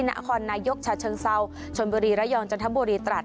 นครนายกฉะเชิงเซาชนบุรีระยองจันทบุรีตรัส